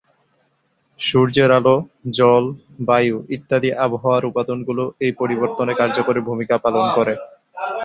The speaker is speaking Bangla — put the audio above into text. সূর্যের আলো, জল, বায়ু ইত্যাদি আবহাওয়ার উপাদানগুলো এই পরিবর্তনে কার্যকরী ভুমিকা পালন করে।